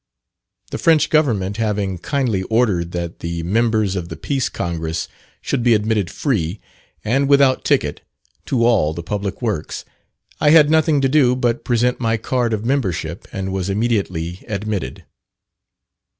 The French Government having kindly ordered, that the members of the Peace Congress should be admitted free, and without ticket, to all the public works, I had nothing to do but present my card of membership, and was immediately admitted.